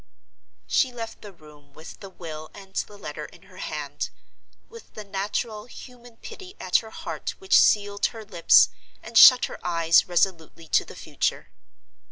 She left the room, with the will and the letter in her hand—with the natural, human pity at her heart which sealed her lips and shut her eyes resolutely to the future.